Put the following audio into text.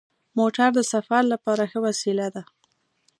موټر د سفر لپاره ښه وسیله ده.